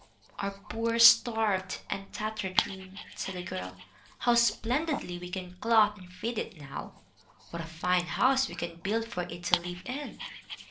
"Our poor starved and tattered dream!" said the girl. "How splendidly we can clothe and feed it now! What a fine house we can build for it to live in!